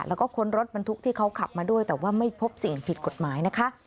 แล้วก็ค้นรถบรรทุกที่เขาขับมาด้วยแต่ว่าไม่พบสิ่งผิดกฎหมายนะคะ